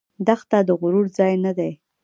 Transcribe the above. دښته د غرور ځای نه دی.